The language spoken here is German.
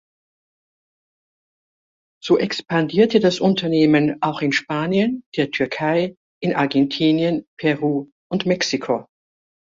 So expandierte das Unternehmen auch in Spanien, der Türkei, in Argentinien, Peru und Mexiko.